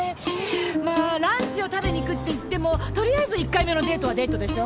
まあランチを食べにいくっていってもとりあえず１回目のデートはデートでしょ？